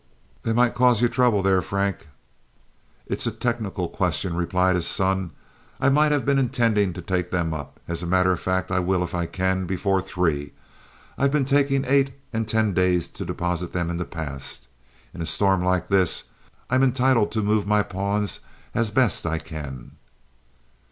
"They might cause you trouble, there, Frank." "It's a technical question," replied his son. "I might have been intending to take them up. As a matter of fact, I will if I can before three. I've been taking eight and ten days to deposit them in the past. In a storm like this I'm entitled to move my pawns as best I can."